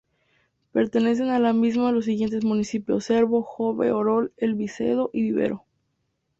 Pertenecen a la misma los siguientes municipios: Cervo, Jove, Orol, El Vicedo y Vivero.